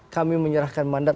kami menyerahkan mandat